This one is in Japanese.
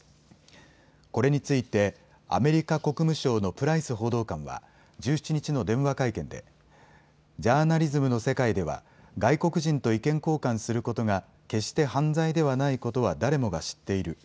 これについてアメリカ国務省のプライス報道官は１７日の電話会見でジャーナリズムの世界では外国人と意見交換することが決して犯罪ではないことは誰もが知っている。